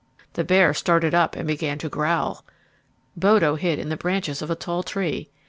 The bear started up and began to growl. Bodo hid in the branches of a tall tree.